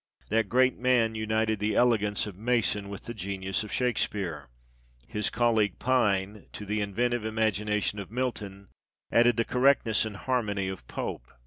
" That great man united the elegance of Mason with the genius of Shakespeare." His colleague Pine, " to the inventive imagination of Milton added the correctness and harmony of Pope."